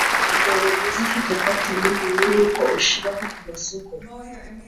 Byaba byiza ufite patenti mbere yuko uyishyira kumasoko.